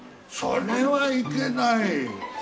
それはいけない。